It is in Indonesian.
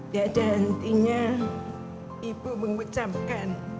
dan intinya ibu mengucapkan